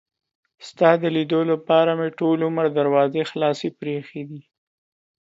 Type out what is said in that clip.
ستا د لیدلو لپاره مې ټول عمر دروازې خلاصې پرې ایښي دي.